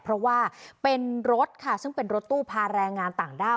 เพราะว่าเป็นรถค่ะซึ่งเป็นรถตู้พาแรงงานต่างด้าว